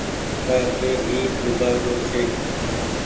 ڪآ ڪي اي نيبآگو ڇي